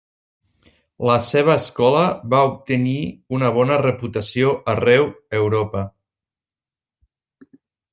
La seva escola va obtenir una bona reputació arreu Europa.